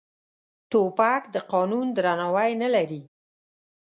توپک د قانون درناوی نه لري.